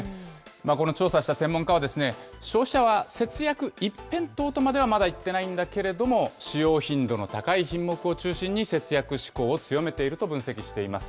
この調査した専門家は、消費者は節約一辺倒とまではまだいってないんだけれども、使用頻度の高い品目を中心に節約志向を強めていると分析しています。